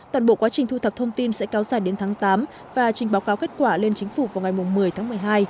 toàn bộ quá trình thu thập thông tin sẽ cao dài đến tháng tám và trình báo cáo kết quả lên chính phủ vào ngày một mươi tháng một mươi hai